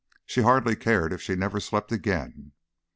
She hardly cared if she never slept again.